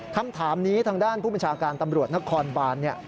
คำถามนี้ทางด้านผู้บังชาการตำรวจนครวาล